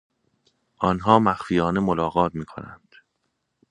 آنها مخفیانه ملاقات میکنند.